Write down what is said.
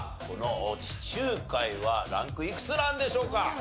この「地中海」はランクいくつなんでしょうか？